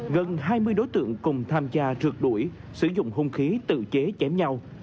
gần hai mươi đối tượng cùng tham gia trượt đuổi sử dụng hung khí tự chế chém nhau